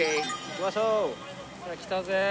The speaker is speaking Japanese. きたぜ。